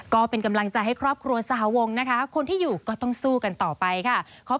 ก็เป็นกำลังใจให้ครอบครัวสหวงนะคะคนที่อยู่ก็ต้องสู้กันต่อไปค่ะ